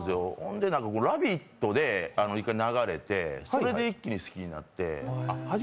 「ラヴィット！」で１回、流れて、それで一気に好きになって。